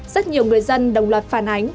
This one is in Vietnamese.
rất nhiều người dân đồng loạt phản ánh